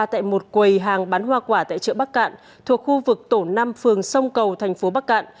tại một quầy hàng bán hoa quả tại chợ bắc cạn thuộc khu vực tổ năm phường sông cầu thành phố bắc cạn